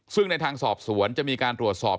ซึ่งในทางสอบสวนจะมีการตรวจสอบ